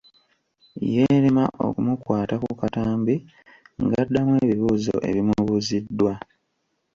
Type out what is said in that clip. Yeerema okumukwata ku katambi ng’addamu ebibuuzo ebimubuuziddwa.